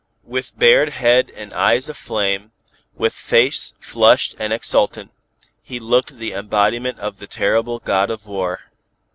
With bared head and eyes aflame, with face flushed and exultant, he looked the embodiment of the terrible God of War.